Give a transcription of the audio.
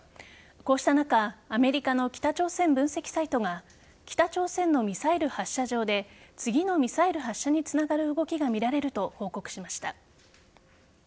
こうした中アメリカの北朝鮮分析サイトが北朝鮮のミサイル発射場で次のミサイル発射につながる動きがみられると報告しました。